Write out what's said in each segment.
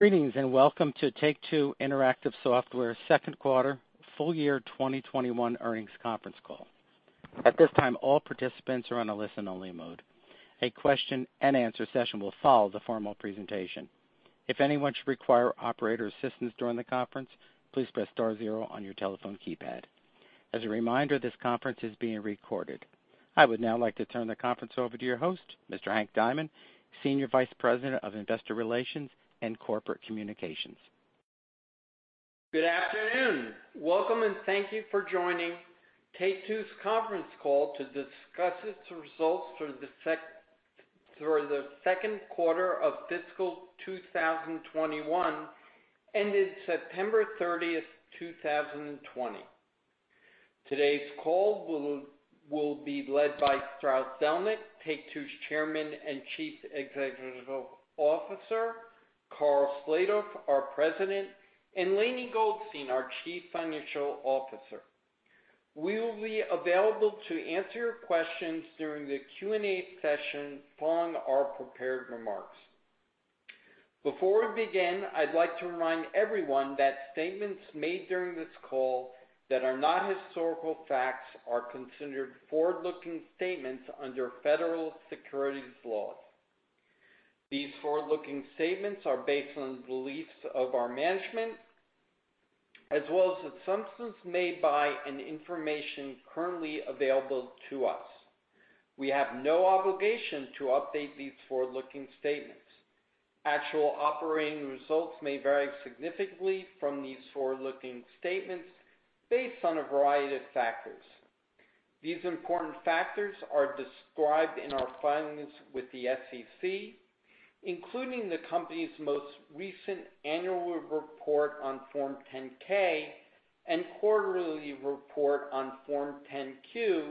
Greetings, and welcome to Take-Two Interactive Software second quarter full year 2021 earnings conference call. At this time, all participants are in a listen-only mode. A question-and-answer session will follow the formal presentation. If anyone requires operator assistance during the conference, please press star zero on your telephone keypad. As a reminder, this conference is being recorded. I would now like to turn the conference over to your host, Mr. Hank Diamond, Senior Vice President of Investor Relations and Corporate Communications. Good afternoon. Welcome and thank you for joining Take-Two's conference call to discuss its results for the second quarter of fiscal 2021, ended September 30, 2020. Today's call will be led by Strauss Zelnick, Take-Two's Chairman and Chief Executive Officer, Karl Slatoff, our President, and Lainie Goldstein, our Chief Financial Officer. We will be available to answer your questions during the Q&A session following our prepared remarks. Before we begin, I'd like to remind everyone that statements made during this call that are not historical facts are considered forward-looking statements under federal securities laws. These forward-looking statements are based on the beliefs of our management, as well as assumptions made by and information currently available to us. We have no obligation to update these forward-looking statements. Actual operating results may vary significantly from these forward-looking statements based on a variety of factors. These important factors are described in our filings with the SEC, including the company's most recent annual report on Form 10-K and quarterly report on Form 10-Q,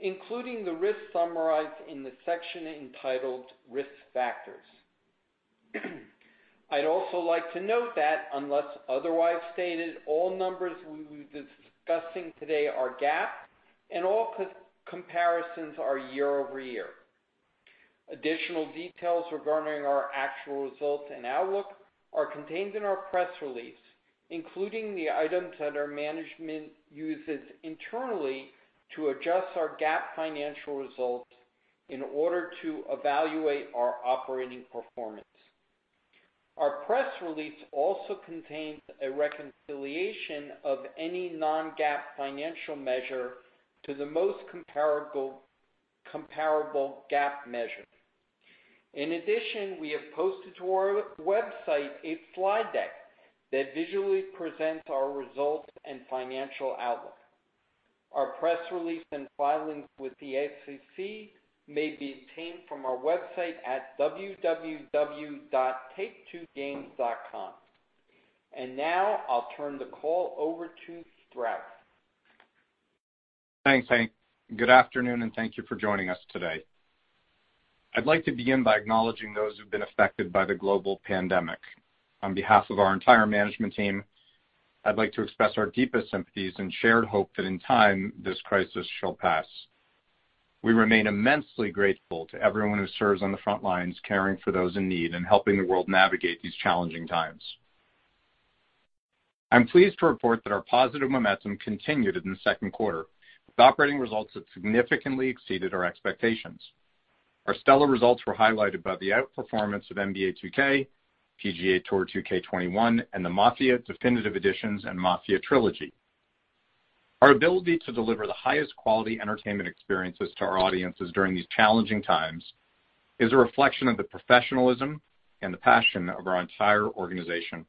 including the risks summarized in the section entitled risk factors. I'd also like to note that unless otherwise stated, all numbers we will be discussing today are GAAP and all comparisons are year-over-year. Additional details regarding our actual results and outlook are contained in our press release, including the items that our management uses internally to adjust our GAAP financial results in order to evaluate our operating performance. Our press release also contains a reconciliation of any non-GAAP financial measure to the most comparable GAAP measure. In addition, we have posted to our website a slide deck that visually presents our results and financial outlook. Our press release and filings with the SEC may be obtained from our website at www.taketwogames.com. Now I'll turn the call over to Strauss. Thanks, Hank. Good afternoon, thank you for joining us today. I'd like to begin by acknowledging those who've been affected by the global pandemic. On behalf of our entire management team, I'd like to express our deepest sympathies and shared hope that in time this crisis shall pass. We remain immensely grateful to everyone who serves on the front lines caring for those in need and helping the world navigate these challenging times. I'm pleased to report that our positive momentum continued in the second quarter with operating results that significantly exceeded our expectations. Our stellar results were highlighted by the outperformance of NBA 2K, PGA TOUR 2K21, and the Mafia: Definitive Editions and Mafia Trilogy. Our ability to deliver the highest quality entertainment experiences to our audiences during these challenging times is a reflection of the professionalism and the passion of our entire organization.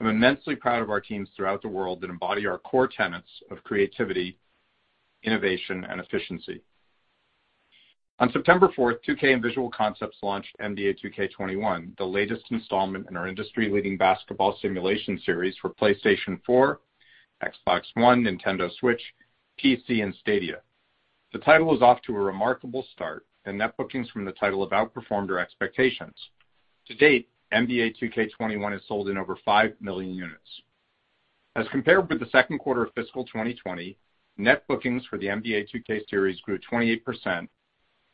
I'm immensely proud of our teams throughout the world that embody our core tenets of creativity, innovation, and efficiency. On September 4th, 2K and Visual Concepts launched NBA 2K21, the latest installment in our industry-leading basketball simulation series for PlayStation 4, Xbox One, Nintendo Switch, PC, and Stadia. The title is off to a remarkable start, and net bookings from the title have outperformed our expectations. To date, NBA 2K21 has sold in over 5 million units. As compared with the second quarter of fiscal 2020, net bookings for the NBA 2K series grew 28%,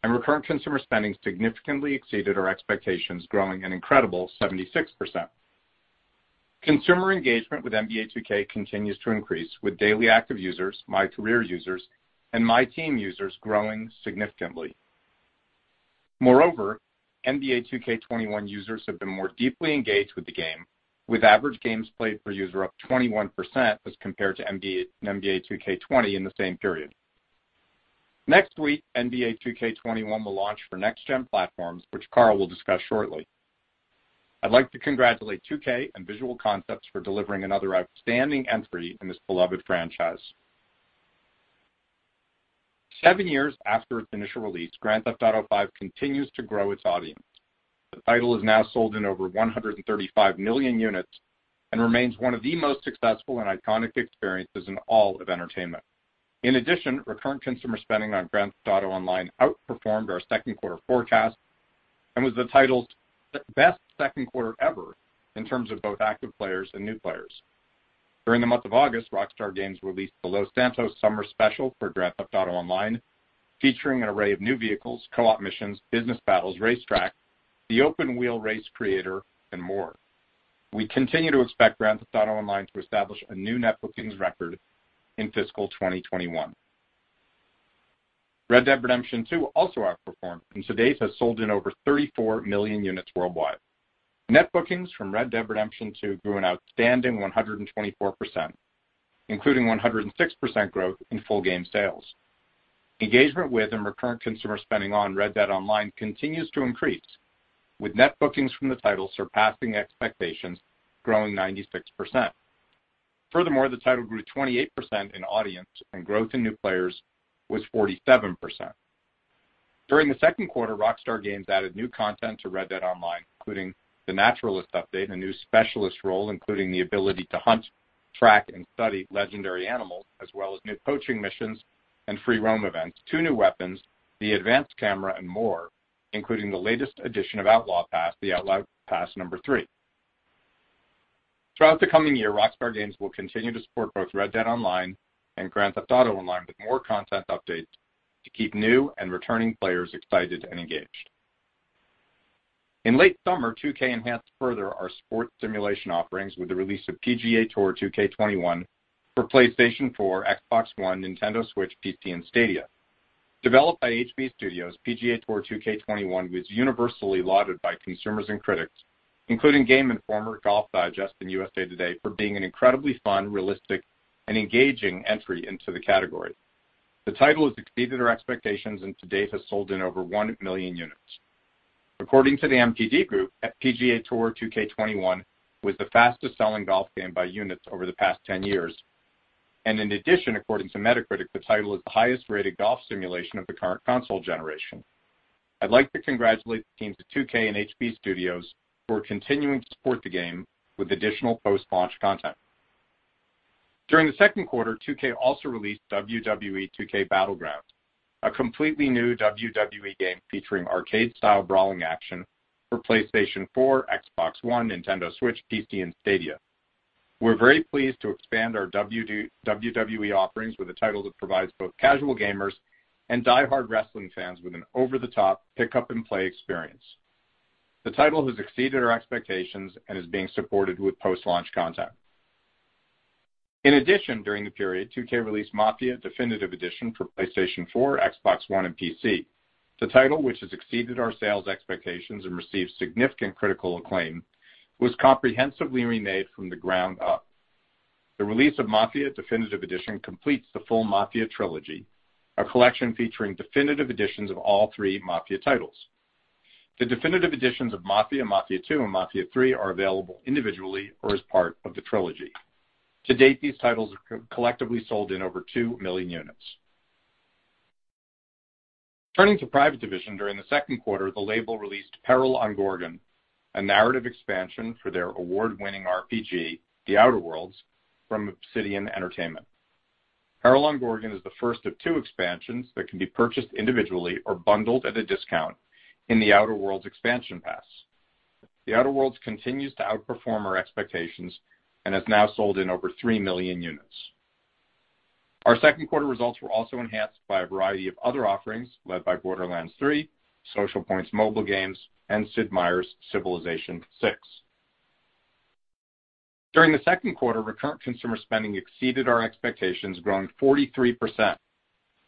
and recurrent consumer spending significantly exceeded our expectations, growing an incredible 76%. Consumer engagement with NBA 2K continues to increase, with daily active users, MyCAREER users, and MyTEAM users growing significantly. Moreover, NBA 2K21 users have been more deeply engaged with the game, with average games played per user up 21% as compared to NBA 2K20 in the same period. Next week, NBA 2K21 will launch for next-gen platforms, which Karl will discuss shortly. I'd like to congratulate 2K and Visual Concepts for delivering another outstanding entry in this beloved franchise. Seven years after its initial release, Grand Theft Auto V continues to grow its audience. The title has now sold in over 135 million units and remains one of the most successful and iconic experiences in all of entertainment. In addition, recurrent consumer spending on Grand Theft Auto Online outperformed our second quarter forecast and was the title's best second quarter ever in terms of both active players and new players. During the month of August, Rockstar Games released the Los Santos Summer Special for Grand Theft Auto Online, featuring an array of new vehicles, co-op missions, business battles, race tracks, the Open Wheel Race Creator, and more. We continue to expect Grand Theft Auto Online to establish a new net bookings record in fiscal 2021. Red Dead Redemption 2 also outperformed, and to date, has sold in over 34 million units worldwide. Net bookings from Red Dead Redemption 2 grew an outstanding 124%, including 106% growth in full game sales. Engagement with and recurrent consumer spending on Red Dead Online continues to increase, with net bookings from the title surpassing expectations, growing 96%. Furthermore, the title grew 28% in audience and growth in new players was 47%. During the second quarter, Rockstar Games added new content to Red Dead Online, including the Naturalist update and a new specialist role, including the ability to hunt, track, and study legendary animals, as well as new poaching missions and free roam events, two new weapons, the advanced camera, and more, including the latest edition of Outlaw Pass, the Outlaw Pass No. 3. Throughout the coming year, Rockstar Games will continue to support both Red Dead Online and Grand Theft Auto Online with more content updates to keep new and returning players excited and engaged. In late summer, 2K enhanced further our sports simulation offerings with the release of PGA TOUR 2K21 for PlayStation 4, Xbox One, Nintendo Switch, PC, and Stadia. Developed by HB Studios, PGA TOUR 2K21 was universally lauded by consumers and critics, including Game Informer, Golf Digest, and USA TODAY, for being an incredibly fun, realistic, and engaging entry into the category. The title has exceeded our expectations and to date has sold in over 1 million units. According to the NPD Group, PGA TOUR 2K21 was the fastest-selling golf game by units over the past 10 years. In addition, according to Metacritic, the title is the highest-rated golf simulation of the current console generation. I'd like to congratulate the teams at 2K and HB Studios for continuing to support the game with additional post-launch content. During the second quarter, 2K also released WWE 2K Battlegrounds, a completely new WWE game featuring arcade style brawling action for PlayStation 4, Xbox One, Nintendo Switch, PC, and Stadia. We're very pleased to expand our WWE offerings with a title that provides both casual gamers and diehard wrestling fans with an over-the-top pick-up-and-play experience. The title has exceeded our expectations and is being supported with post-launch content. In addition, during the period, 2K released Mafia: Definitive Edition for PlayStation 4, Xbox One, and PC. The title, which has exceeded our sales expectations and received significant critical acclaim, was comprehensively remade from the ground up. The release of Mafia: Definitive Edition completes the full Mafia: Trilogy, a collection featuring definitive editions of all three Mafia titles. The definitive editions of Mafia II, and Mafia III are available individually or as part of the Trilogy. To date, these titles have collectively sold in over 2 million units. Turning to Private Division, during the second quarter, the label released Peril on Gorgon, a narrative expansion for their award-winning RPG, The Outer Worlds, from Obsidian Entertainment. Peril on Gorgon is the first of two expansions that can be purchased individually or bundled at a discount in The Outer Worlds expansion pass. The Outer Worlds continues to outperform our expectations and has now sold in over 3 million units. Our second quarter results were also enhanced by a variety of other offerings led by Borderlands 3, Socialpoint's mobile games, and Sid Meier's Civilization VI. During the second quarter, recurrent consumer spending exceeded our expectations, growing 43%,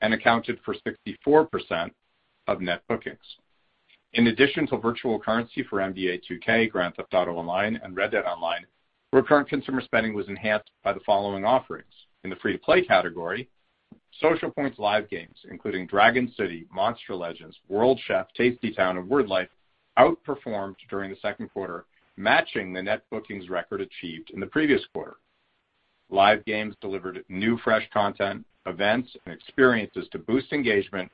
and accounted for 64% of net bookings. In addition to virtual currency for NBA 2K, Grand Theft Auto Online, and Red Dead Online, recurrent consumer spending was enhanced by the following offerings. In the free-to-play category, Socialpoint's live games, including Dragon City, Monster Legends, World Chef, Tasty Town, and Word Life, outperformed during the second quarter, matching the net bookings record achieved in the previous quarter. Live games delivered new, fresh content, events, and experiences to boost engagement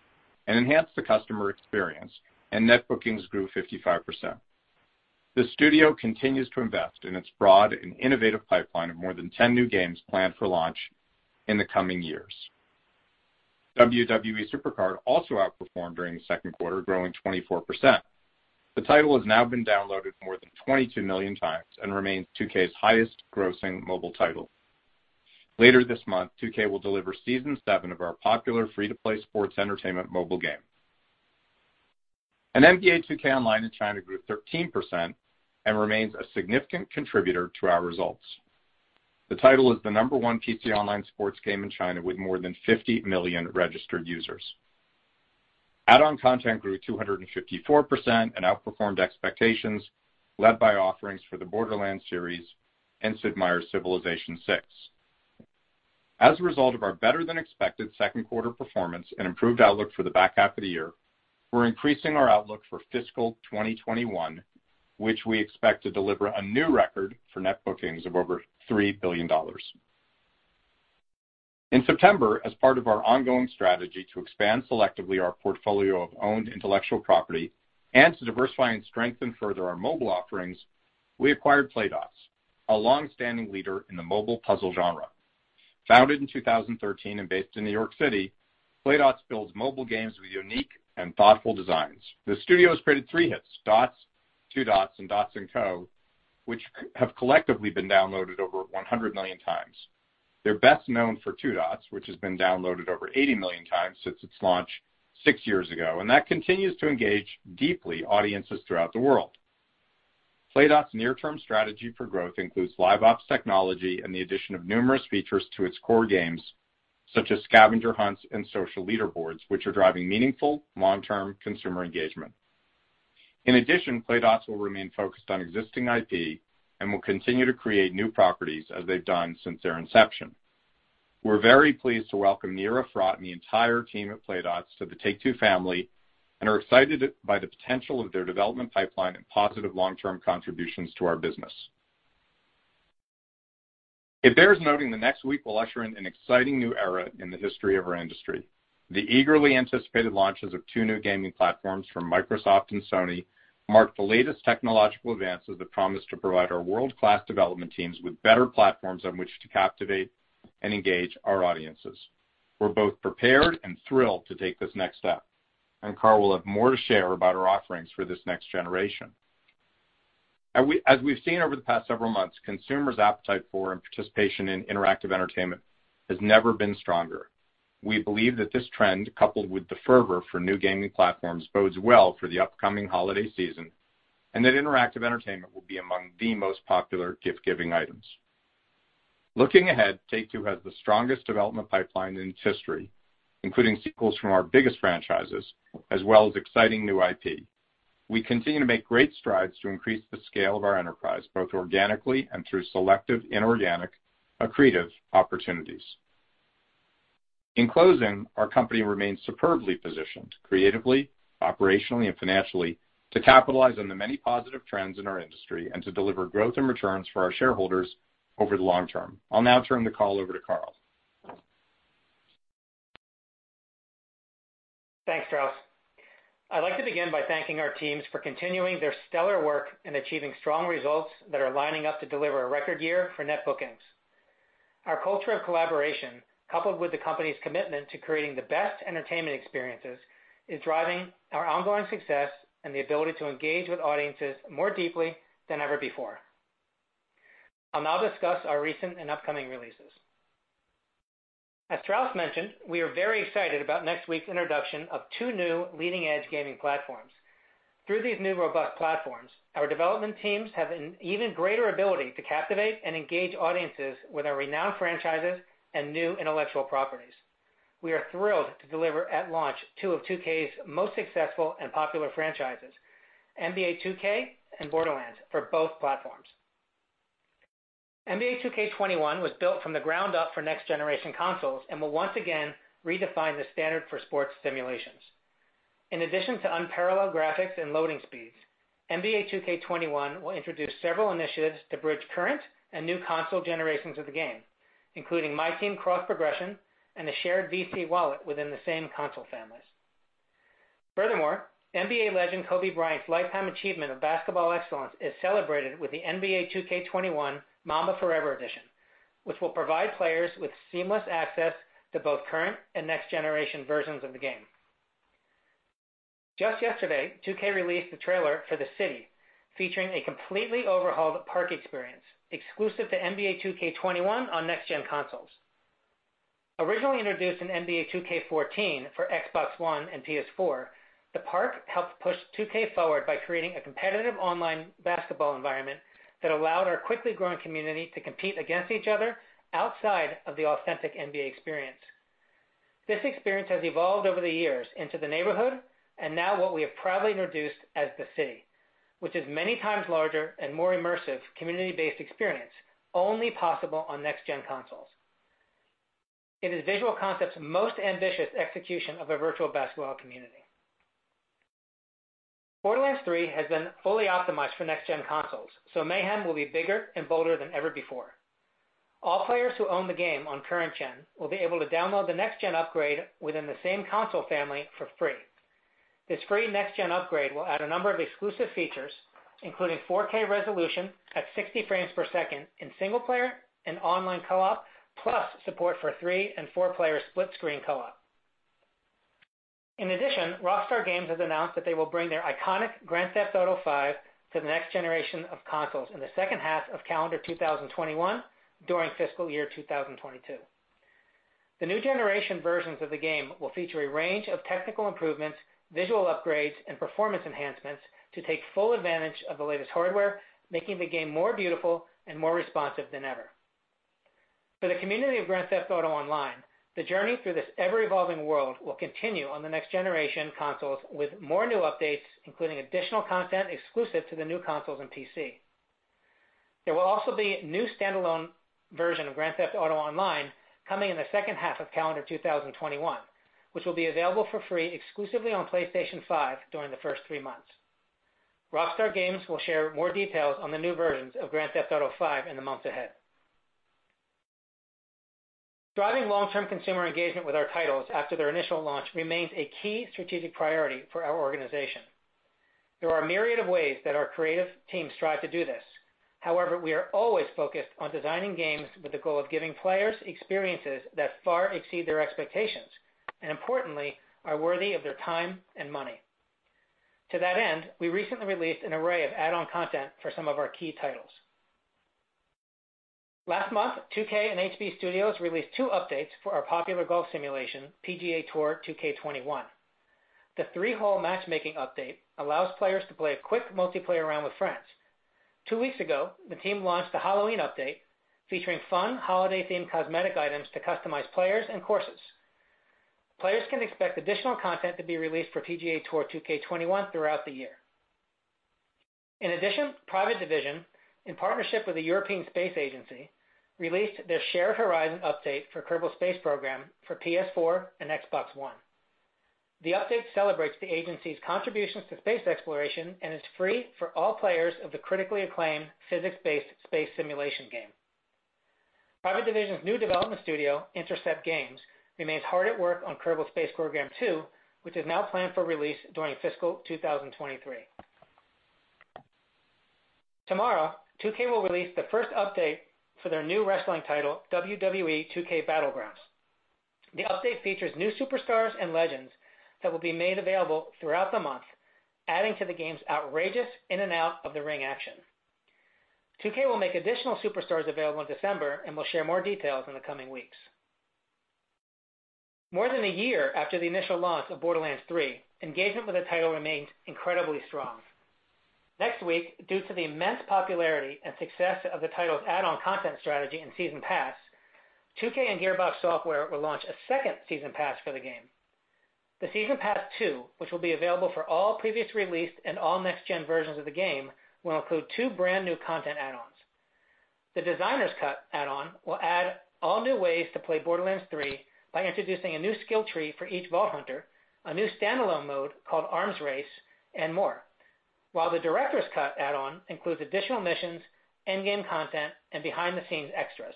and enhance the customer experience. Net bookings grew 55%. The studio continues to invest in its broad and innovative pipeline of more than 10 new games planned for launch in the coming years. WWE SuperCard also outperformed during the second quarter, growing 24%. The title has now been downloaded more than 22 million times and remains 2K's highest grossing mobile title. Later this month, 2K will deliver season seven of our popular free-to-play sports entertainment mobile game. NBA 2K Online in China grew 13% and remains a significant contributor to our results. The title is the number one PC online sports game in China with more than 50 million registered users. Add-on content grew 254% and outperformed expectations, led by offerings for the Borderlands series and Sid Meier's Civilization VI. As a result of our better than expected second quarter performance and improved outlook for the back half of the year, we're increasing our outlook for fiscal 2021, which we expect to deliver a new record for net bookings of over $3 billion. In September, as part of our ongoing strategy to expand selectively our portfolio of owned intellectual property and to diversify and strengthen further our mobile offerings, we acquired Playdots, a long-standing leader in the mobile puzzle genre. Founded in 2013 and based in New York City, Playdots builds mobile games with unique and thoughtful designs. The studio's created three hits, Dots, Two Dots, and Dots & Co., which have collectively been downloaded over 100 million times. They're best known for Two Dots, which has been downloaded over 80 million times since its launch six years ago, and that continues to engage deeply audiences throughout the world. Playdots' near-term strategy for growth includes live ops technology and the addition of numerous features to its core games, such as scavenger hunts and social leaderboards, which are driving meaningful long-term consumer engagement. In addition, Playdots will remain focused on existing IP and will continue to create new properties as they've done since their inception. We're very pleased to welcome Nir Efrat and the entire team at Playdots to the Take-Two family and are excited by the potential of their development pipeline and positive long-term contributions to our business. It bears noting the next week will usher in an exciting new era in the history of our industry. The eagerly anticipated launches of two new gaming platforms from Microsoft and Sony mark the latest technological advances that promise to provide our world-class development teams with better platforms on which to captivate and engage our audiences. We're both prepared and thrilled to take this next step, and Karl will have more to share about our offerings for this next generation. As we've seen over the past several months, consumers' appetite for and participation in interactive entertainment has never been stronger. We believe that this trend, coupled with the fervor for new gaming platforms, bodes well for the upcoming holiday season and that interactive entertainment will be among the most popular gift-giving items. Looking ahead, Take-Two has the strongest development pipeline in its history, including sequels from our biggest franchises, as well as exciting new IP. We continue to make great strides to increase the scale of our enterprise, both organically and through selective inorganic accretive opportunities. In closing, our company remains superbly positioned creatively, operationally, and financially to capitalize on the many positive trends in our industry and to deliver growth and returns for our shareholders over the long term. I'll now turn the call over to Karl. Thanks, Strauss. I'd like to begin by thanking our teams for continuing their stellar work in achieving strong results that are lining up to deliver a record year for net bookings. Our culture of collaboration, coupled with the company's commitment to creating the best entertainment experiences, is driving our ongoing success and the ability to engage with audiences more deeply than ever before. I'll now discuss our recent and upcoming releases. As Strauss mentioned, we are very excited about next week's introduction of two new leading-edge gaming platforms. Through these new robust platforms, our development teams have an even greater ability to captivate and engage audiences with our renowned franchises and new intellectual properties. We are thrilled to deliver at launch two of 2K's most successful and popular franchises, NBA 2K and Borderlands, for both platforms. NBA 2K21 was built from the ground up for next-generation consoles and will once again redefine the standard for sports simulations. In addition to unparalleled graphics and loading speeds, NBA 2K21 will introduce several initiatives to bridge current and new console generations of the game, including MyTEAM cross-progression and a shared VC wallet within the same console families. Furthermore, NBA legend Kobe Bryant's lifetime achievement of basketball excellence is celebrated with the NBA 2K21 Mamba Forever Edition, which will provide players with seamless access to both current and next-generation versions of the game. Just yesterday, 2K released the trailer for The City, featuring a completely overhauled Park experience exclusive to NBA 2K21 on next-gen consoles. Originally introduced in NBA 2K14 for Xbox One and PS4, The Park helped push 2K forward by creating a competitive online basketball environment that allowed our quickly growing community to compete against each other outside of the authentic NBA experience. This experience has evolved over the years into The Neighborhood and now what we have proudly introduced as The City, which is many times larger and more immersive community-based experience only possible on next-gen consoles. It is Visual Concepts' most ambitious execution of a virtual basketball community. Borderlands 3 has been fully optimized for next-gen consoles, so mayhem will be bigger and bolder than ever before. All players who own the game on current gen will be able to download the next-gen upgrade within the same console family for free. This free next-gen upgrade will add a number of exclusive features, including 4K resolution at 60 frames per second in single player and online co-op, plus support for three and four-player split screen co-op. In addition, Rockstar Games has announced that they will bring their iconic Grand Theft Auto V to the next generation of consoles in the second half of calendar 2021 during fiscal year 2022. The new generation versions of the game will feature a range of technical improvements, visual upgrades, and performance enhancements to take full advantage of the latest hardware, making the game more beautiful and more responsive than ever. For the community of Grand Theft Auto Online, the journey through this ever-evolving world will continue on the next generation consoles with more new updates, including additional content exclusive to the new consoles and PC. There will also be a new standalone version of Grand Theft Auto Online coming in the second half of calendar 2021, which will be available for free exclusively on PlayStation 5 during the first three months. Rockstar Games will share more details on the new versions of Grand Theft Auto V in the months ahead. Driving long-term consumer engagement with our titles after their initial launch remains a key strategic priority for our organization. There are a myriad of ways that our creative teams strive to do this. We are always focused on designing games with the goal of giving players experiences that far exceed their expectations, and importantly, are worthy of their time and money. To that end, we recently released an array of add-on content for some of our key titles. Last month, 2K and HB Studios released two updates for our popular golf simulation, PGA TOUR 2K21. The three-hole matchmaking update allows players to play a quick multiplayer round with friends. Two weeks ago, the team launched the Halloween update, featuring fun holiday-themed cosmetic items to customize players and courses. Players can expect additional content to be released for PGA TOUR 2K21 throughout the year. In addition, Private Division, in partnership with the European Space Agency, released their Shared Horizons update for Kerbal Space Program for PS4 and Xbox One. The update celebrates the agency's contributions to space exploration and is free for all players of the critically acclaimed physics-based space simulation game. Private Division's new development studio, Intercept Games, remains hard at work on Kerbal Space Program 2, which is now planned for release during fiscal 2023. Tomorrow, 2K will release the first update for their new wrestling title, WWE 2K Battlegrounds. The update features new superstars and legends that will be made available throughout the month, adding to the game's outrageous in and out of the ring action. 2K will make additional superstars available in December, and will share more details in the coming weeks. More than a year after the initial launch of Borderlands 3, engagement with the title remains incredibly strong. Next week, due to the immense popularity and success of the title's add-on content strategy and season pass, 2K and Gearbox Software will launch a second season pass for the game. The Season Pass 2, which will be available for all previous released and all next-gen versions of the game, will include two brand new content add-ons. The Designer's Cut add-on will add all new ways to play Borderlands 3 by introducing a new skill tree for each Vault Hunter, a new standalone mode called Arms Race, and more. While the Director's Cut add-on includes additional missions, in-game content, and behind-the-scenes extras.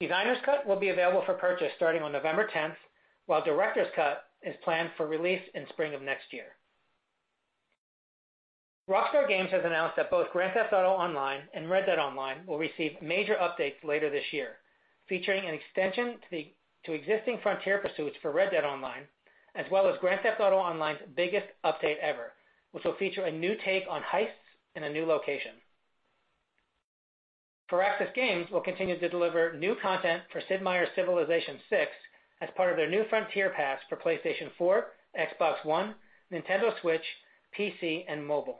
Designer's Cut will be available for purchase starting on November 10th, while Director's Cut is planned for release in spring of next year. Rockstar Games has announced that both Grand Theft Auto Online and Red Dead Online will receive major updates later this year, featuring an extension to existing frontier pursuits for Red Dead Online, as well as Grand Theft Auto Online's biggest update ever, which will feature a new take on heists in a new location. Firaxis Games will continue to deliver new content for Sid Meier's Civilization VI as part of their New Frontier Pass for PlayStation 4, Xbox One, Nintendo Switch, PC, and mobile,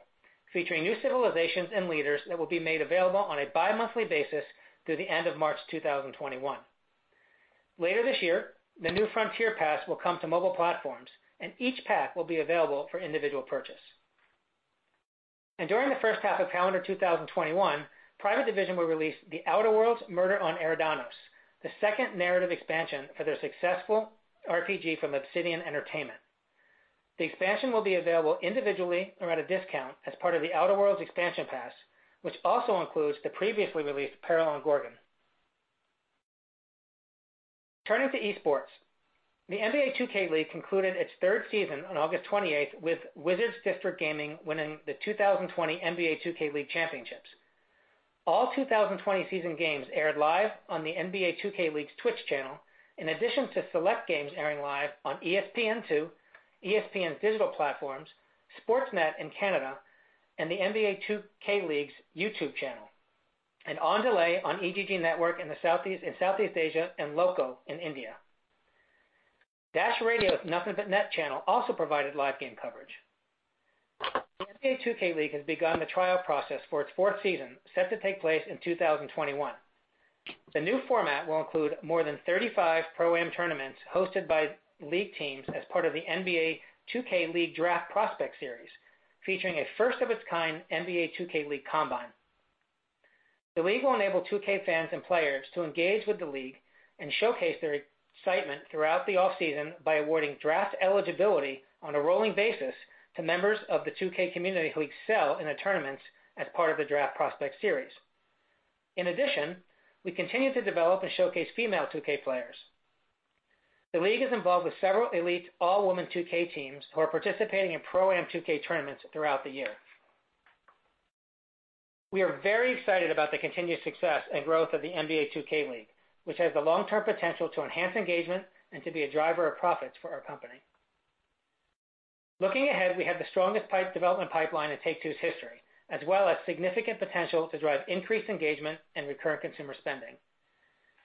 featuring new civilizations and leaders that will be made available on a bi-monthly basis through the end of March 2021. Later this year, the New Frontier Pass will come to mobile platforms, and each pack will be available for individual purchase. During the first half of calendar 2021, Private Division will release The Outer Worlds: Murder on Eridanos, the second narrative expansion for their successful RPG from Obsidian Entertainment. The expansion will be available individually or at a discount as part of The Outer Worlds expansion pass, which also includes the previously released Peril on Gorgon. Turning to esports, the NBA 2K League concluded its third season on August 28th with Wizards District Gaming winning the 2020 NBA 2K League championships. All 2020 season games aired live on the NBA 2K League's Twitch channel, in addition to select games airing live on ESPN2, ESPN's digital platforms, Sportsnet in Canada, and the NBA 2K League's YouTube channel, and on delay on eGG Network in Southeast Asia and Loco in India. Dash Radio's Nothin' But Net channel also provided live game coverage. The NBA 2K League has begun the trial process for its fourth season, set to take place in 2021. The new format will include more than 35 pro-am tournaments hosted by league teams as part of the NBA 2K League Draft Prospect Series, featuring a first of its kind NBA 2K League combine. The league will enable 2K fans and players to engage with the league and showcase their excitement throughout the off-season by awarding draft eligibility on a rolling basis to members of the 2K Community who excel in the tournaments as part of the NBA 2K League Draft Prospect Series. In addition, we continue to develop and showcase female 2K players. The league is involved with several elite all woman 2K teams who are participating in pro-am 2K tournaments throughout the year. We are very excited about the continued success and growth of the NBA 2K League, which has the long-term potential to enhance engagement and to be a driver of profits for our company. Looking ahead, we have the strongest development pipeline in Take-Two's history, as well as significant potential to drive increased engagement and recurrent consumer spending.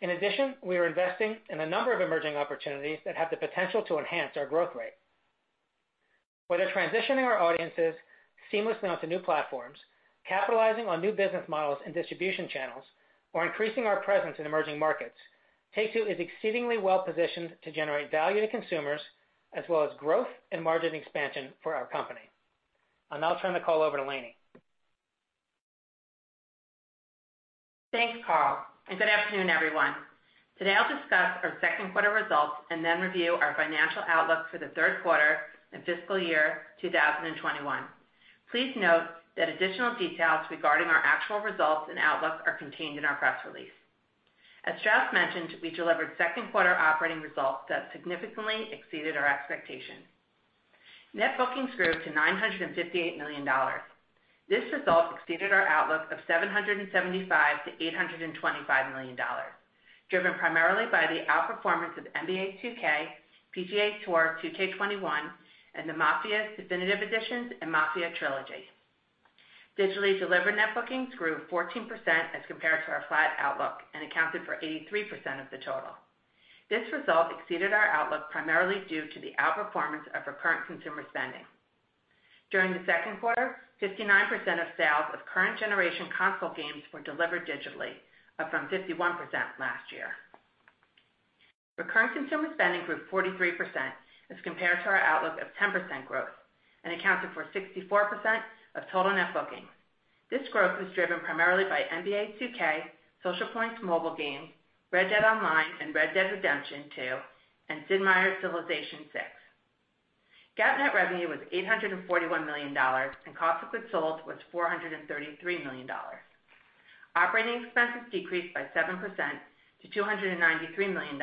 In addition, we are investing in a number of emerging opportunities that have the potential to enhance our growth rate. Whether transitioning our audiences seamlessly onto new platforms, capitalizing on new business models and distribution channels, or increasing our presence in emerging markets, Take-Two is exceedingly well positioned to generate value to consumers as well as growth and margin expansion for our company. I'll now turn the call over to Lainie. Thanks, Karl, and good afternoon, everyone. Today, I'll discuss our second quarter results and then review our financial outlook for the third quarter and fiscal year 2021. Please note that additional details regarding our actual results and outlook are contained in our press release. As Strauss mentioned, we delivered second quarter operating results that significantly exceeded our expectations. net bookings grew to $958 million. This result exceeded our outlook of $775 million-$825 million, driven primarily by the outperformance of NBA 2K, PGA TOUR 2K21, and the Mafia Definitive Editions and Mafia: Trilogy. Digitally delivered net bookings grew 14% as compared to our flat outlook and accounted for 83% of the total. This result exceeded our outlook, primarily due to the outperformance of recurrent consumer spending. During the second quarter, 59% of sales of current generation console games were delivered digitally, up from 51% last year. Recurrent consumer spending grew 43% as compared to our outlook of 10% growth and accounted for 64% of total net bookings. This growth was driven primarily by NBA 2K, Socialpoint's mobile games, Red Dead Online, and Red Dead Redemption 2, and Sid Meier's Civilization VI. GAAP net revenue was $841 million, cost of goods sold was $433 million. Operating expenses decreased by 7% to $293 million,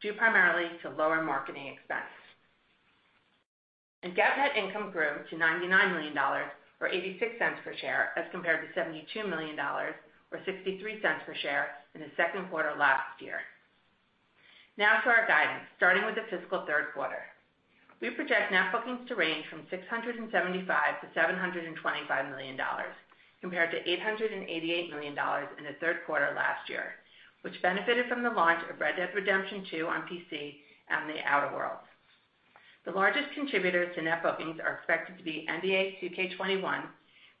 due primarily to lower marketing expense. GAAP net income grew to $99 million, or $0.86 per share, as compared to $72 million, or $0.63 per share in the second quarter last year. Now to our guidance, starting with the fiscal third quarter. We project net bookings to range from $675 million-$725 million, compared to $888 million in the third quarter last year, which benefited from the launch of Red Dead Redemption 2 on PC and The Outer Worlds. The largest contributors to net bookings are expected to be NBA 2K21,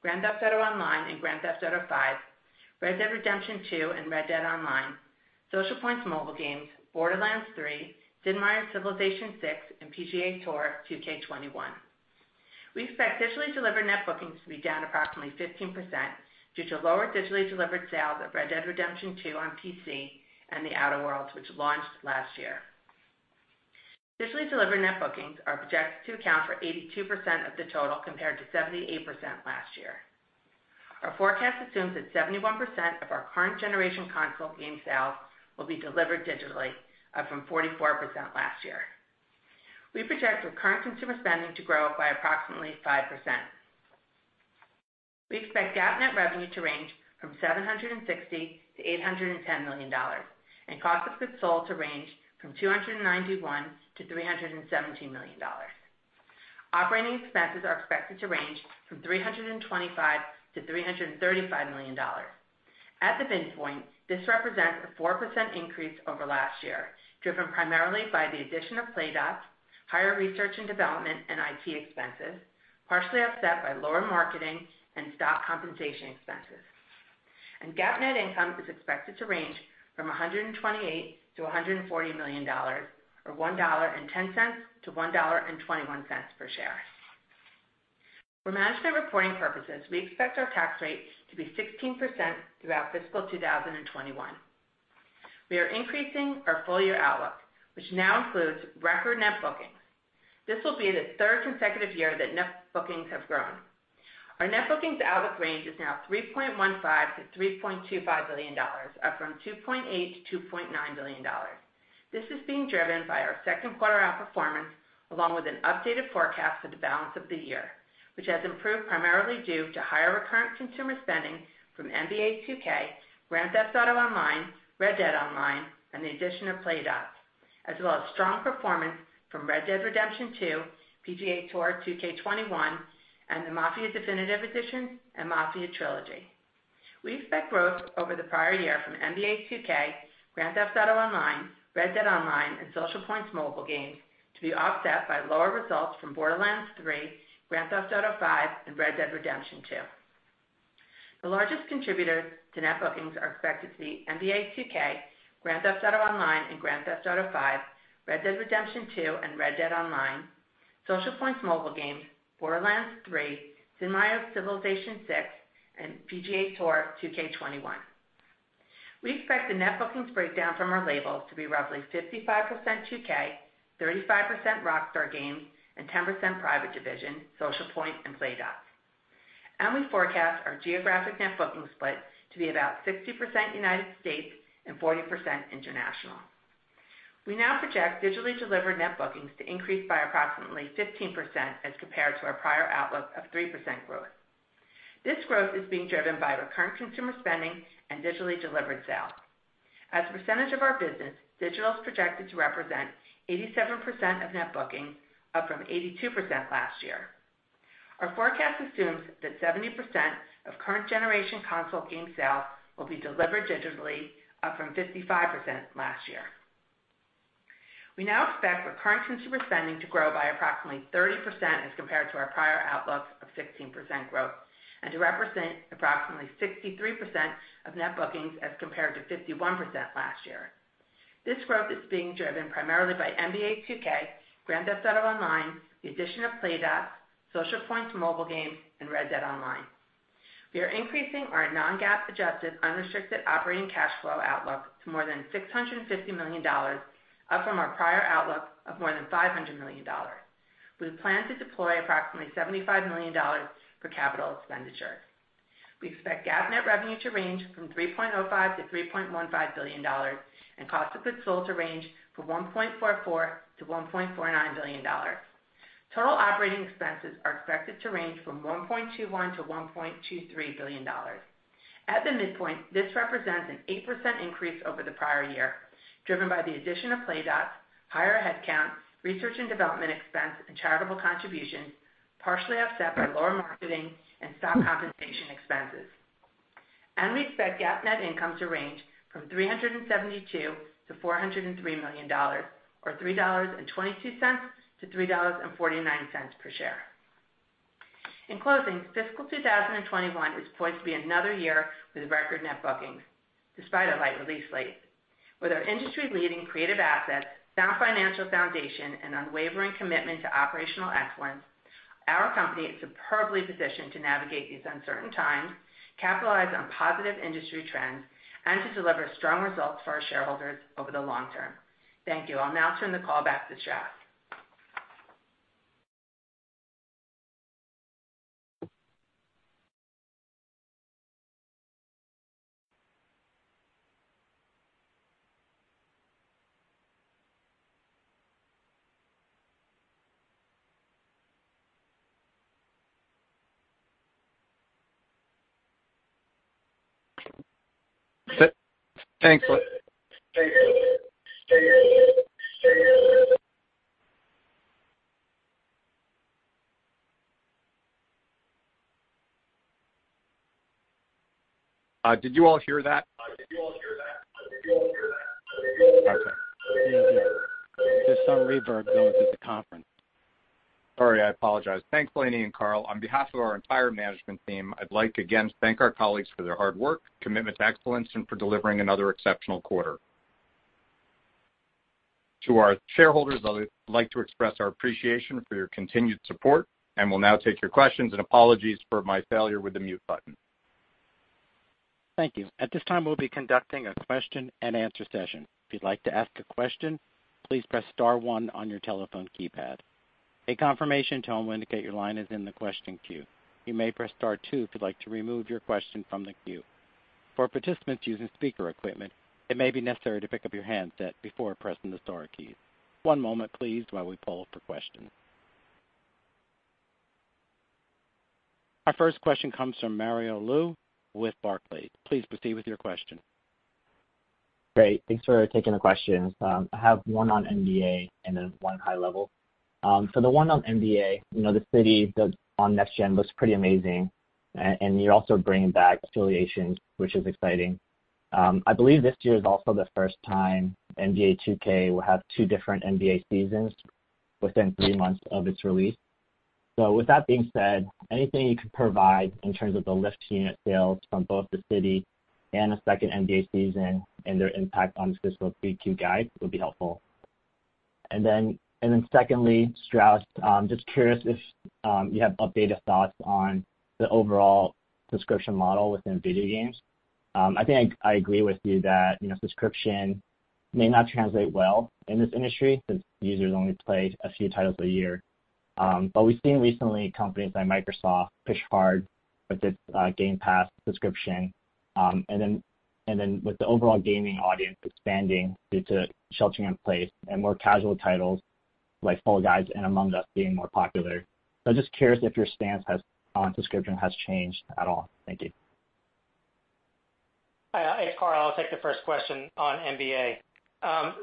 Grand Theft Auto Online, and Grand Theft Auto V, Red Dead Redemption 2, and Red Dead Online, Socialpoint's mobile games, Borderlands 3, Sid Meier's Civilization VI, and PGA TOUR 2K21. We expect digitally delivered net bookings to be down approximately 15%, due to lower digitally delivered sales of Red Dead Redemption 2 on PC and The Outer Worlds, which launched last year. Digitally delivered net bookings are projected to account for 82% of the total, compared to 78% last year. Our forecast assumes that 71% of our current generation console game sales will be delivered digitally, up from 44% last year. We project recurrent consumer spending to grow by approximately 5%. We expect GAAP net revenue to range from $760 million-$810 million and cost of goods sold to range from $291 million-$317 million. Operating expenses are expected to range from $325 million-$335 million. At the midpoint, this represents a 4% increase over last year, driven primarily by the addition of Playdots, higher research and development and IT expenses, partially offset by lower marketing and stock compensation expenses. GAAP net income is expected to range from $128 million-$140 million, or $1.10-$1.21 per share. For management reporting purposes, we expect our tax rate to be 16% throughout fiscal 2021. We are increasing our full-year outlook, which now includes record net bookings. This will be the third consecutive year that net bookings have grown. Our net bookings outlook range is now $3.15 billion-$3.25 billion, up from $2.8 billion-$2.9 billion. This is being driven by our second quarter outperformance, along with an updated forecast for the balance of the year, which has improved primarily due to higher recurrent consumer spending from NBA 2K, Grand Theft Auto Online, Red Dead Online, and the addition of Playdots, as well as strong performance from Red Dead Redemption 2, PGA TOUR 2K21, and the Mafia: Definitive Edition and Mafia: Trilogy. We expect growth over the prior year from NBA 2K, Grand Theft Auto Online, Red Dead Online, and Socialpoint's mobile games to be offset by lower results from Borderlands 3, Grand Theft Auto V, and Red Dead Redemption 2. The largest contributors to net bookings are expected to be NBA 2K, Grand Theft Auto Online, and Grand Theft Auto V, Red Dead Redemption 2 and Red Dead Online, Socialpoint's mobile games, Borderlands 3, Sid Meier's Civilization VI, and PGA TOUR 2K21. We expect the net bookings breakdown from our labels to be roughly 55% 2K, 35% Rockstar Games, and 10% Private Division, Socialpoint, and Playdots. We forecast our geographic net bookings split to be about 60% United States and 40% international. We now project digitally delivered net bookings to increase by approximately 15% as compared to our prior outlook of 3% growth. This growth is being driven by recurrent consumer spending and digitally delivered sales. As a percentage of our business, digital is projected to represent 87% of net bookings, up from 82% last year. Our forecast assumes that 70% of current generation console game sales will be delivered digitally, up from 55% last year. We now expect recurrent consumer spending to grow by approximately 30% as compared to our prior outlook of 16% growth and to represent approximately 63% of net bookings as compared to 51% last year. This growth is being driven primarily by NBA 2K, Grand Theft Auto Online, the addition of Playdots, Socialpoint's mobile games, and Red Dead Online. We are increasing our non-GAAP adjusted unrestricted operating cash flow outlook to more than $650 million, up from our prior outlook of more than $500 million. We plan to deploy approximately $75 million for capital expenditure. We expect GAAP net revenue to range from $3.05 billion-$3.15 billion and cost of goods sold to range from $1.44 billion-$1.49 billion. Total operating expenses are expected to range from $1.21 billion-$1.23 billion. At the midpoint, this represents an 8% increase over the prior year, driven by the addition of Playdots, higher headcount, research and development expense, and charitable contributions, partially offset by lower marketing and stock compensation expenses. We expect GAAP net income to range from $372 million-$403 million or $3.22-$3.49 per share. In closing, fiscal 2021 is poised to be another year with record net bookings despite a light release slate. With our industry leading creative assets, sound financial foundation, and unwavering commitment to operational excellence, our company is superbly positioned to navigate these uncertain times, capitalize on positive industry trends, and to deliver strong results for our shareholders over the long term. Thank you. I'll now turn the call back to Strauss. Did you all hear that? Okay. There is some reverb going through the conference. Sorry, I apologize. Thanks, Lainie and Karl. On behalf of our entire management team, I'd like again to thank our colleagues for their hard work, commitment to excellence, and for delivering another exceptional quarter. To our shareholders, I would like to express our appreciation for your continued support, and will now take your questions. Apologies for my failure with the mute button. Thank you. At this time, we'll be conducting a question-and-answer session. If you would like to ask a question, please press star one on your telephone keypad. A confirmation tone will indicate that your line is on the question queue. You may press star two if you would like to remove your question from the queue. For participants using speaker equipment, it may be necessary to pick up your handset before pressing the star keys. One moment please while we poll our questions. Our first question comes from Mario Lu with Barclays. Please proceed with your question. Great. Thanks for taking the questions. I have one on NBA and then one high level. The one on NBA, The City on next-gen looks pretty amazing. You're also bringing back Affiliations, which is exciting. I believe this year is also the first time NBA 2K will have two different NBA seasons within three months of its release. With that being said, anything you could provide in terms of the lift unit sales from both The City and a second NBA season and their impact on fiscal Q3 guide would be helpful. Secondly, Strauss, just curious if you have updated thoughts on the overall subscription model within video games. I think I agree with you that subscription may not translate well in this industry since users only play a few titles a year. We've seen recently companies like Microsoft push hard with its Game Pass subscription. Then with the overall gaming audience expanding due to sheltering in place and more casual titles like Fall Guys and Among Us being more popular. I'm just curious if your stance on subscription has changed at all. Thank you. It's Karl. I'll take the first question on NBA.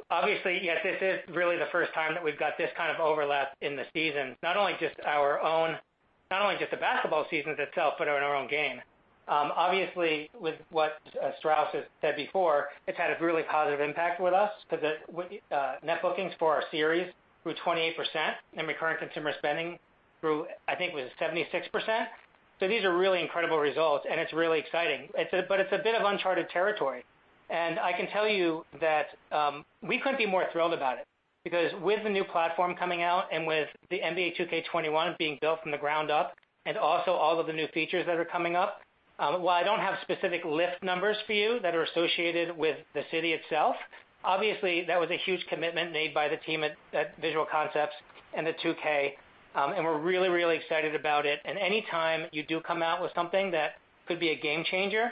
Obviously, yes, this is really the first time that we've got this kind of overlap in the seasons, not only just the basketball seasons itself, but in our own game. Obviously with what Strauss has said before, it's had a really positive impact with us because net bookings for our series grew 28%, and recurrent consumer spending grew, I think it was 76%. These are really incredible results, and it's really exciting. It's a bit of uncharted territory. I can tell you that we couldn't be more thrilled about it. Because with the new platform coming out and with the NBA 2K21 being built from the ground up and also all of the new features that are coming up, while I don't have specific lift numbers for you that are associated with The City itself, obviously that was a huge commitment made by the team at Visual Concepts and the 2K, and we're really, really excited about it. Any time you do come out with something that could be a game changer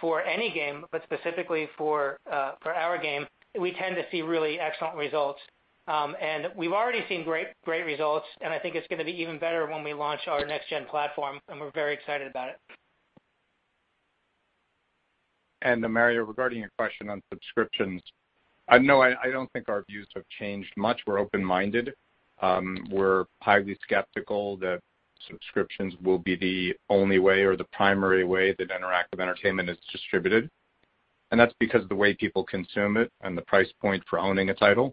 for any game, but specifically for our game, we tend to see really excellent results. We've already seen great results, and I think it's going to be even better when we launch our next gen platform, and we're very excited about it. Mario, regarding your question on subscriptions, no, I don't think our views have changed much. We're open-minded. We're highly skeptical that subscriptions will be the only way or the primary way that interactive entertainment is distributed, that's because of the way people consume it and the price point for owning a title,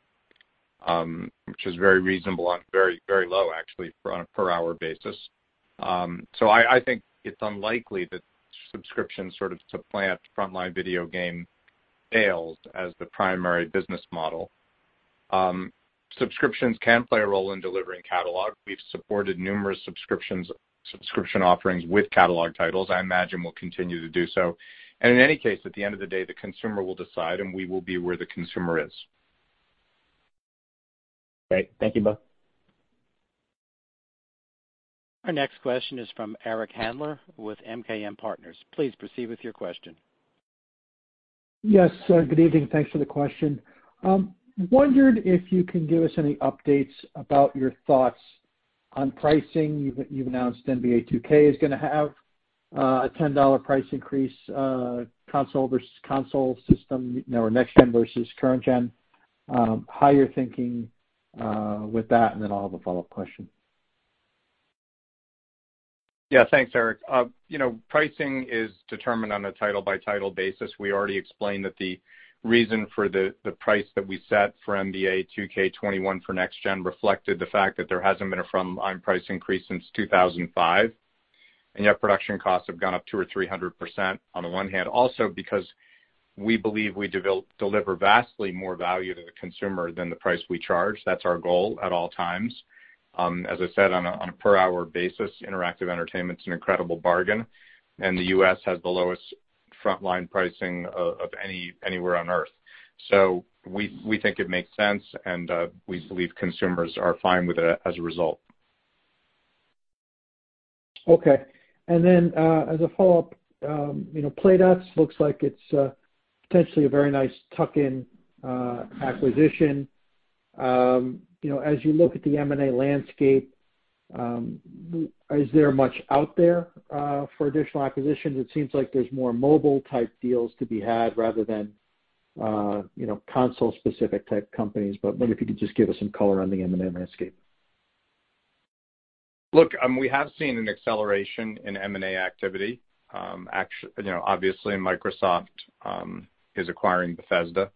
which is very reasonable and very low actually on a per hour basis. I think it's unlikely that subscriptions sort of supplant frontline video game sales as the primary business model. Subscriptions can play a role in delivering catalog. We've supported numerous subscription offerings with catalog titles. I imagine we'll continue to do so. In any case, at the end of the day, the consumer will decide, and we will be where the consumer is. Great. Thank you both. Our next question is from Eric Handler with MKM Partners. Please proceed with your question. Yes. Good evening. Thanks for the question. Wondered if you can give us any updates about your thoughts on pricing. You've announced NBA 2K is going to have a $10 price increase console versus console system or next gen versus current gen. How you're thinking with that, I'll have a follow-up question. Yeah. Thanks, Eric. Pricing is determined on a title-by-title basis. We already explained that the reason for the price that we set for NBA 2K21 for next gen reflected the fact that there hasn't been a frontline price increase since 2005, and yet production costs have gone up 200% or 300% on the one hand. Because we believe we deliver vastly more value to the consumer than the price we charge. That's our goal at all times. As I said, on a per-hour basis, interactive entertainment's an incredible bargain. The U.S. has the lowest frontline pricing of anywhere on Earth. We think it makes sense. We believe consumers are fine with it as a result. Okay. As a follow-up, Playdots looks like it's potentially a very nice tuck-in acquisition. As you look at the M&A landscape, is there much out there for additional acquisitions? It seems like there's more mobile type deals to be had rather than console specific type companies. I wonder if you could just give us some color on the M&A landscape. Look, we have seen an acceleration in M&A activity. Obviously, Microsoft is acquiring Bethesda,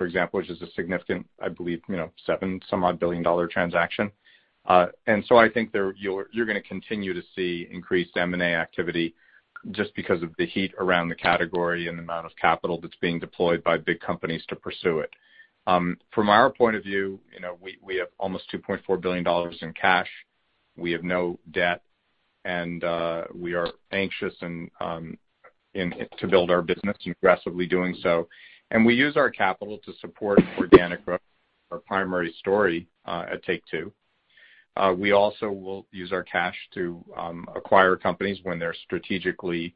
for example, which is a significant, I believe, $7 some odd billion dollar transaction. So I think you're going to continue to see increased M&A activity just because of the heat around the category and the amount of capital that's being deployed by big companies to pursue it. From our point of view, we have almost $2.4 billion in cash. We have no debt, and we are anxious to build our business and progressively doing so. We use our capital to support organic growth, our primary story at Take-Two. We also will use our cash to acquire companies when they're strategically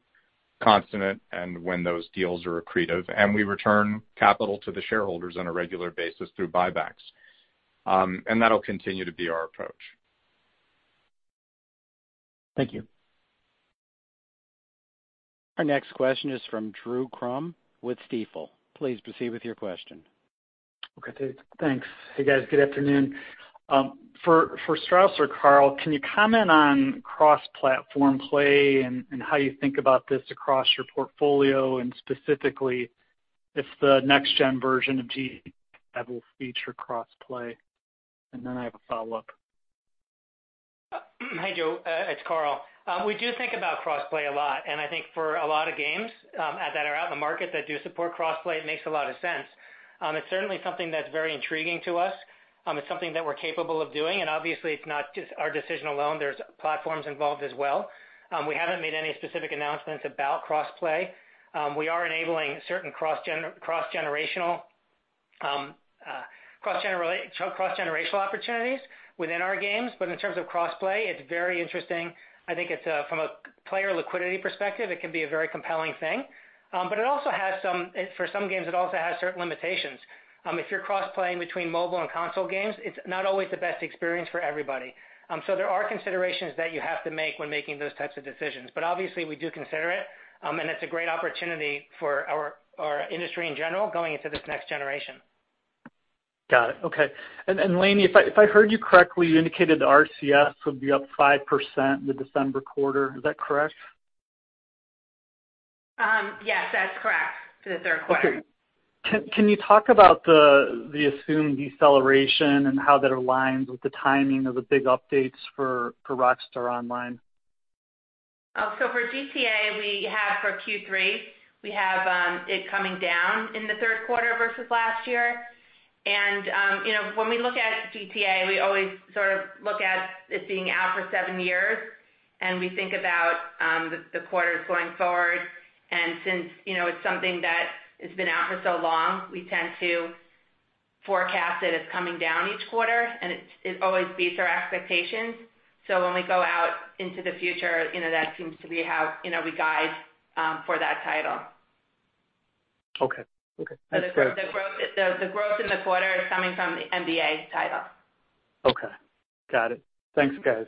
consonant and when those deals are accretive. We return capital to the shareholders on a regular basis through buybacks. That'll continue to be our approach. Thank you. Our next question is from Drew Crum with Stifel. Please proceed with your question. Okay, thanks. Hey, guys. Good afternoon. For Strauss or Karl, can you comment on cross-platform play and how you think about this across your portfolio, and specifically if the next gen version of GTA will feature cross-play? I have a follow-up. Hi, Drew. It's Karl. We do think about cross-play a lot, and I think for a lot of games that are out in the market that do support cross-play, it makes a lot of sense. It's certainly something that's very intriguing to us. It's something that we're capable of doing, and obviously it's not just our decision alone. There's platforms involved as well. We haven't made any specific announcements about cross-play. We are enabling certain cross-generational opportunities within our games, but in terms of cross-play, it's very interesting. I think from a player liquidity perspective, it can be a very compelling thing. For some games, it also has certain limitations. If you're cross-playing between mobile and console games, it's not always the best experience for everybody. There are considerations that you have to make when making those types of decisions. Obviously, we do consider it, and it's a great opportunity for our industry in general going into this next generation. Got it. Okay. Lainie, if I heard you correctly, you indicated RCS would be up 5% the December quarter. Is that correct? Yes, that's correct. For the third quarter. Okay. Can you talk about the assumed deceleration and how that aligns with the timing of the big updates for Rockstar online? For GTA, for Q3, we have it coming down in the third quarter versus last year. When we look at GTA, we always sort of look at it being out for seven years, and we think about the quarters going forward. Since it's something that has been out for so long, we tend to forecast it as coming down each quarter, and it always beats our expectations. When we go out into the future, that seems to be how we guide for that title. Okay. That's great. The growth in the quarter is coming from the NBA title. Okay. Got it. Thanks, guys.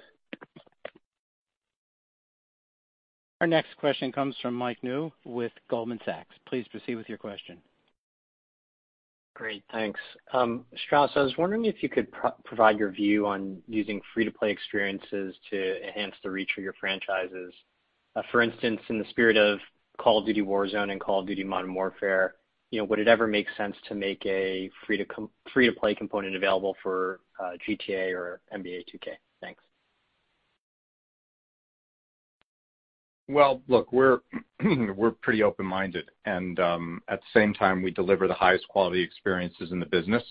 Our next question comes from Mike Ng with Goldman Sachs. Please proceed with your question. Great. Thanks. Strauss, I was wondering if you could provide your view on using free to play experiences to enhance the reach of your franchises. For instance, in the spirit of Call of Duty: Warzone and Call of Duty: Modern Warfare, would it ever make sense to make a free to play component available for GTA or NBA 2K? Thanks. Well, look, we're pretty open-minded and at the same time, we deliver the highest quality experiences in the business,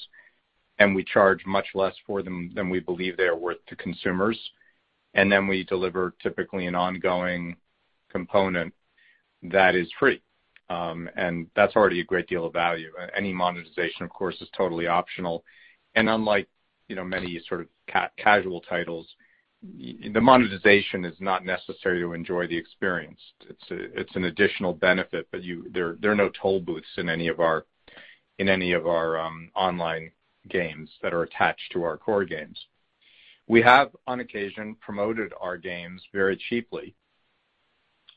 and we charge much less for them than we believe they are worth to consumers. Then we deliver typically an ongoing component that is free. That's already a great deal of value. Any monetization, of course, is totally optional. Unlike many sort of casual titles, the monetization is not necessary to enjoy the experience. It's an additional benefit, there are no toll booths in any of our online games that are attached to our core games. We have, on occasion, promoted our games very cheaply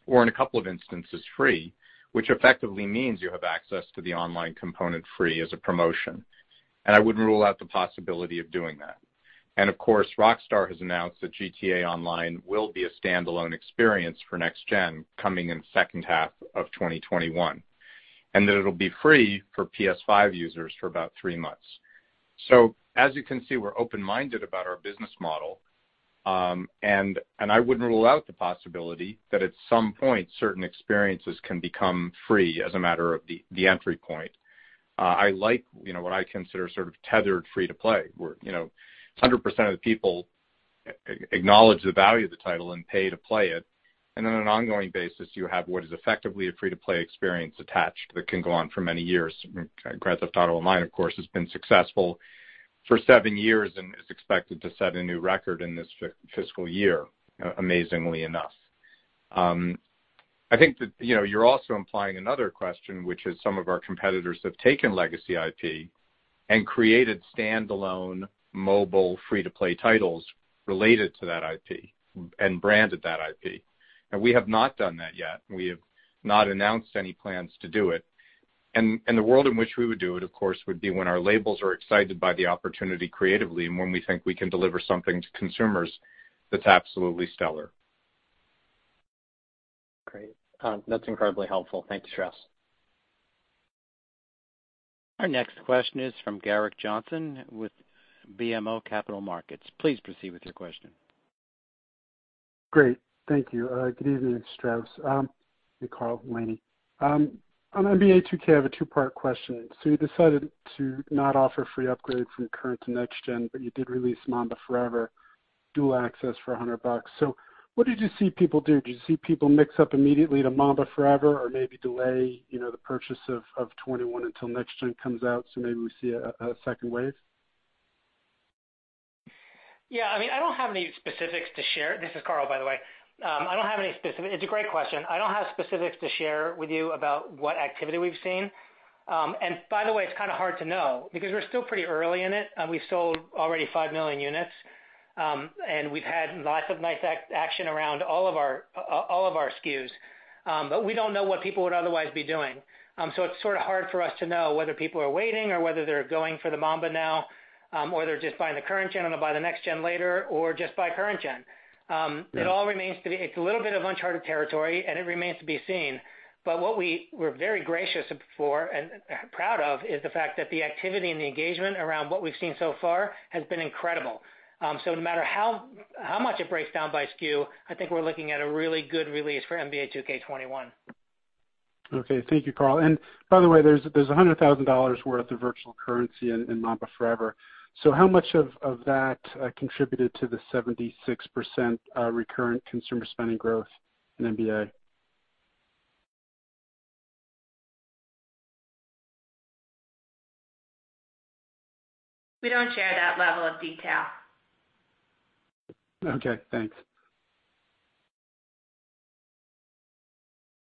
or in a two instances, free, which effectively means you have access to the online component free as a promotion. I wouldn't rule out the possibility of doing that. Of course, Rockstar has announced that Grand Theft Auto Online will be a standalone experience for next-gen coming in the second half of 2021, and that it'll be free for PS5 users for about three months. As you can see, we're open-minded about our business model. I wouldn't rule out the possibility that at some point, certain experiences can become free as a matter of the entry point. I like what I consider sort of tethered free to play, where 100% of the people acknowledge the value of the title and pay to play it. On an ongoing basis, you have what is effectively a free to play experience attached that can go on for many years. Grand Theft Auto Online, of course, has been successful for seven years and is expected to set a new record in this fiscal year, amazingly enough. I think that you're also implying another question, which is some of our competitors have taken legacy IP and created standalone mobile free to play titles related to that IP and branded that IP. We have not done that yet, and we have not announced any plans to do it. The world in which we would do it, of course, would be when our labels are excited by the opportunity creatively and when we think we can deliver something to consumers that's absolutely stellar. Great. That's incredibly helpful. Thanks, Strauss. Our next question is from Gerrick Johnson with BMO Capital Markets. Please proceed with your question. Great. Thank you. Good evening, Strauss and Karl, Lainie. On NBA 2K, I have a two-part question. You decided to not offer free upgrades from current to Next Gen, but you did release Mamba Forever dual access for $100. What did you see people do? Do you see people mix up immediately to Mamba Forever or maybe delay the purchase of 2K21 until Next Gen comes out, maybe we see a second wave? Yeah. I don't have any specifics to share. This is Karl, by the way. It's a great question. I don't have specifics to share with you about what activity we've seen. By the way, it's kind of hard to know because we're still pretty early in it. We've sold already 5 million units. We've had lots of nice action around all of our SKUs. We don't know what people would otherwise be doing. It's sort of hard for us to know whether people are waiting or whether they're going for the Mamba now, or they're just buying the Current Gen and they'll buy the next-gen later or just buy current gen. It's a little bit of uncharted territory, and it remains to be seen. What we were very gracious for and proud of is the fact that the activity and the engagement around what we've seen so far has been incredible. No matter how much it breaks down by SKU, I think we're looking at a really good release for NBA 2K21. Okay. Thank you, Karl. By the way, there's $100,000 worth of virtual currency in Mamba Forever. How much of that contributed to the 76% recurrent consumer spending growth in NBA? We don't share that level of detail. Okay, thanks.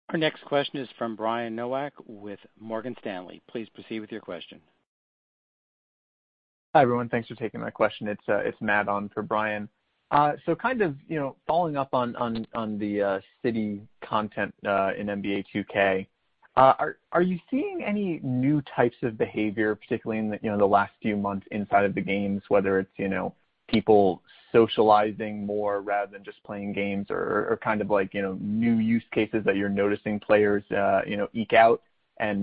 Our next question is from Brian Nowak with Morgan Stanley. Please proceed with your question. Hi, everyone. Thanks for taking my question. It is Matt on for Brian. Following up on The City content in NBA 2K. Are you seeing any new types of behavior, particularly in the last few months inside of the games, whether it is people socializing more rather than just playing games or kind of new use cases that you are noticing players eke out? Is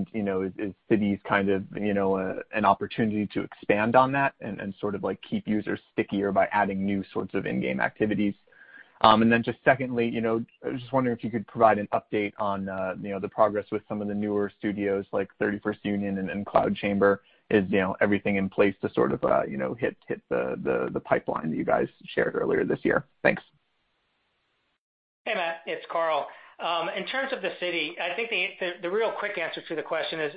The City kind of an opportunity to expand on that and sort of keep users stickier by adding new sorts of in-game activities? Just secondly, I was just wondering if you could provide an update on the progress with some of the newer studios like 31st Union and Cloud Chamber. Is everything in place to sort of hit the pipeline that you guys shared earlier this year? Thanks. Hey, Matt, it's Karl. In terms of The City, I think the real quick answer to the question is,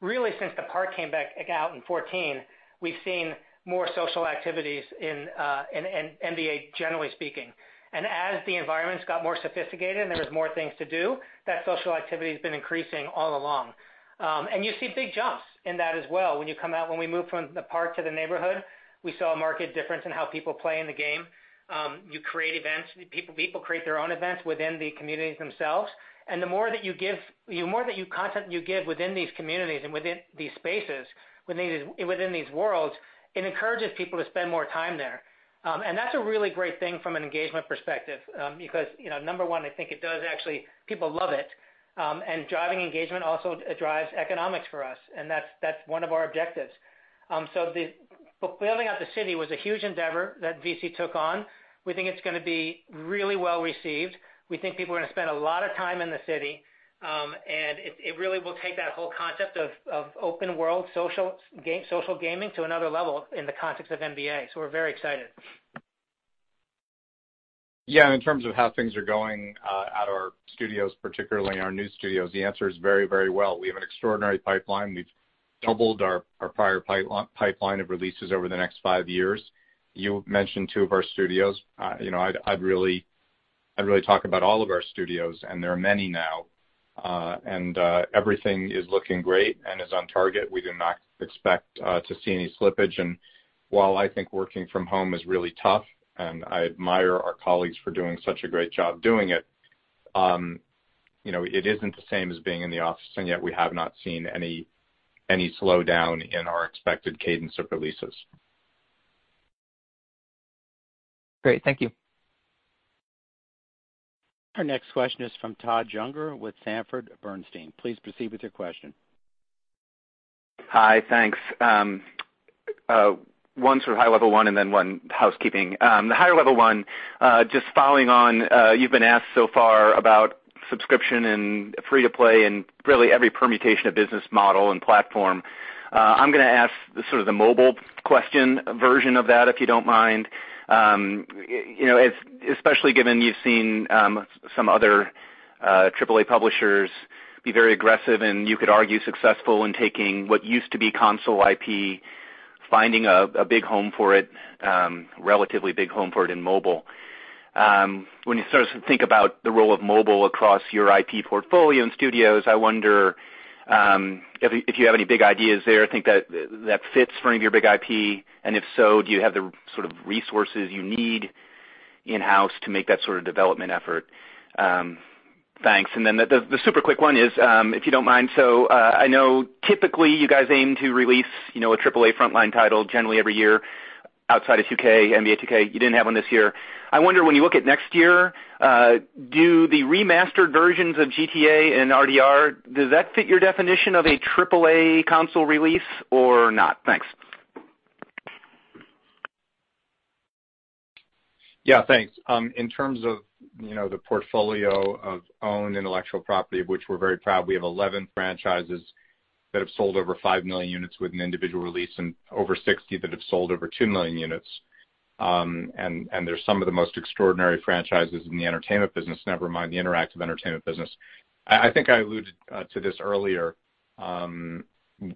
really since The Park came back out in 14, we've seen more social activities in NBA 2K, generally speaking. As the environments got more sophisticated and there was more things to do, that social activity has been increasing all along. You see big jumps in that as well. When we moved from The Park to The Neighborhood, we saw a marked difference in how people play in the game. You create events. People create their own events within the communities themselves. The more content you give within these communities and within these spaces, within these worlds, it encourages people to spend more time there. That's a really great thing from an engagement perspective. Because number one, I think it does actually, people love it. Driving engagement also drives economics for us, and that's one of our objectives. Building out The City was a huge endeavor that VC took on. We think it's going to be really well received. We think people are going to spend a lot of time in The City. It really will take that whole concept of open world social gaming to another level in the context of NBA. We're very excited. In terms of how things are going at our studios, particularly in our new studios, the answer is very well. We have an extraordinary pipeline. We've doubled our prior pipeline of releases over the next five years. You mentioned two of our studios. I'd really talk about all of our studios, and there are many now. Everything is looking great and is on target. We do not expect to see any slippage. While I think working from home is really tough, and I admire our colleagues for doing such a great job doing it isn't the same as being in the office, yet we have not seen any slowdown in our expected cadence of releases. Great. Thank you. Our next question is from Todd Juenger with Sanford C. Bernstein. Please proceed with your question. Hi, thanks. One sort of high level one and then one housekeeping. The higher level one, just following on, you've been asked so far about subscription and free to play and really every permutation of business model and platform. I'm going to ask sort of the mobile question version of that, if you don't mind. Especially given you've seen some other AAA publishers be very aggressive, and you could argue successful in taking what used to be console IP, finding a big home for it, relatively big home for it in mobile. When you start to think about the role of mobile across your IP portfolio and studios, I wonder if you have any big ideas there, think that fits for any of your big IP, and if so, do you have the sort of resources you need in-house to make that sort of development effort? Thanks. The super quick one is, if you don't mind. I know typically you guys aim to release a AAA frontline title generally every year outside of 2K, NBA 2K. You didn't have one this year. I wonder when you look at next year, do the remastered versions of GTA and RDR, does that fit your definition of a AAA console release or not? Thanks. Yeah, thanks. In terms of the portfolio of owned intellectual property, of which we're very proud, we have 11 franchises that have sold over 5 million units with an individual release and over 60 that have sold over 2 million units. They're some of the most extraordinary franchises in the entertainment business, never mind the interactive entertainment business. I think I alluded to this earlier.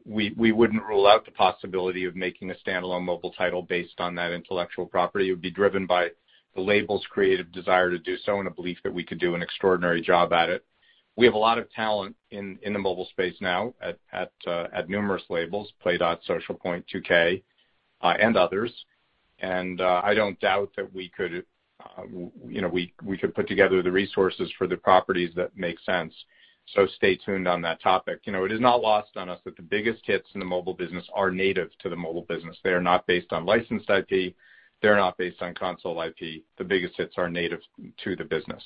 We wouldn't rule out the possibility of making a standalone mobile title based on that intellectual property. It would be driven by the label's creative desire to do so and a belief that we could do an extraordinary job at it. We have a lot of talent in the mobile space now at numerous labels, Playdots, Socialpoint, 2K, and others. I don't doubt that we could put together the resources for the properties that make sense. Stay tuned on that topic. It is not lost on us that the biggest hits in the mobile business are native to the mobile business. They are not based on licensed IP. They are not based on console IP. The biggest hits are native to the business.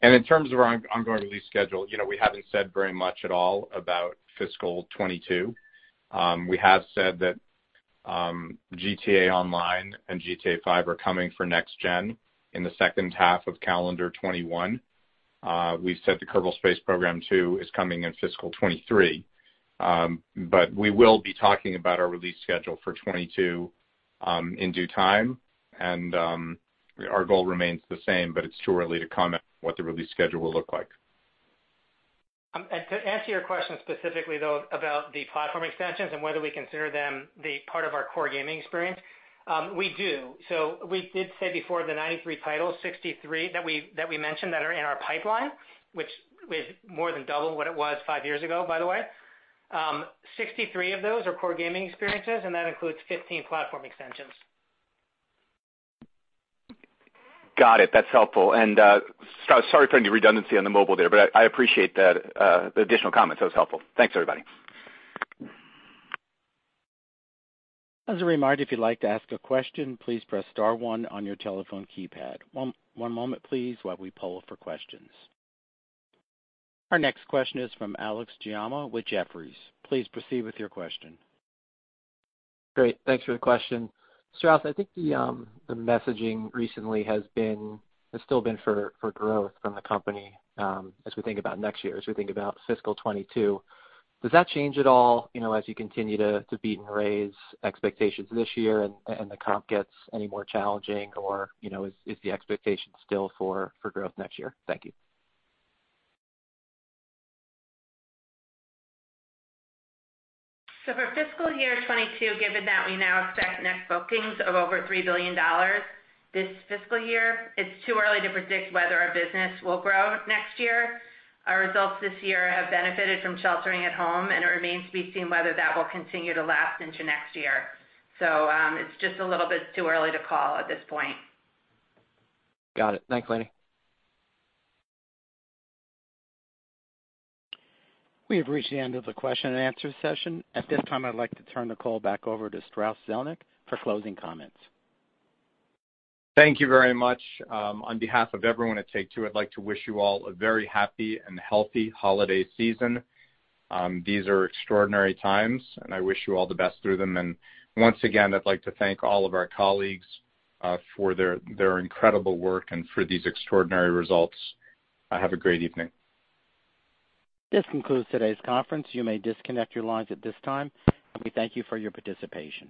In terms of our ongoing release schedule, we haven't said very much at all about fiscal 2022. We have said that GTA Online and GTA V are coming for Next Gen in the second half of calendar 2021. We've said the Kerbal Space Program 2 is coming in fiscal 2023. We will be talking about our release schedule for 2022 in due time. Our goal remains the same, but it's too early to comment what the release schedule will look like. To answer your question specifically, though, about the platform extensions and whether we consider them the part of our core gaming experience, we do. We did say before the 93 titles, 63 that we mentioned that are in our pipeline, which is more than double what it was five years ago, by the way. 63 of those are core gaming experiences, and that includes 15 platform extensions. Got it. That's helpful. Sorry for any redundancy on the mobile there, but I appreciate the additional comments. That was helpful. Thanks, everybody. As a reminder, if you'd like to ask a question, please press star one on your telephone keypad. One moment, please, while we poll for questions. Our next question is from Alex Giaimo with Jefferies. Please proceed with your question. Great. Thanks for the question. Strauss, I think the messaging recently has still been for growth from the company as we think about next year, as we think about fiscal 2022. Does that change at all as you continue to beat and raise expectations this year and the comp gets any more challenging, or is the expectation still for growth next year? Thank you. For the fiscal year 2022, given that we now expect net bookings of over $3 billion this fiscal year, it's too early to predict whether our business will grow next year. Our results this year have benefited from sheltering at home, and it remains to be seen whether that will continue to last into next year. It's just a little bit too early to call at this point. Got it. Thanks, Lainie. We have reached the end of the question-and-answer session. At this time, I'd like to turn the call back over to Strauss Zelnick for closing comments. Thank you very much. On behalf of everyone at Take-Two, I'd like to wish you all a very happy and healthy holiday season. These are extraordinary times, I wish you all the best through them. Once again, I'd like to thank all of our colleagues for their incredible work and for these extraordinary results. Have a great evening. This concludes today's conference. You may disconnect your lines at this time, and we thank you for your participation.